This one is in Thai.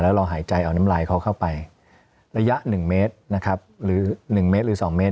แล้วเราหายใจเอาน้ำลายเขาเข้าไประยะหนึ่งเมตรนะครับหรือหนึ่งเมตรหรือสองเมตร